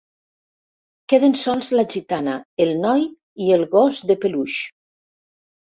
Queden sols la gitana, el noi i el gos de peluix.